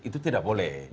itu tidak boleh